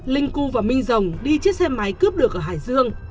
linh cư và minh rồng đi chiếc xe máy cướp được ở hải dương